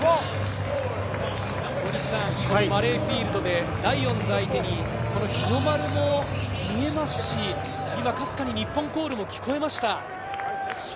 このマレーフィールドでライオンズ相手に日の丸も見えますし、かすかに日本コールも聞こえました。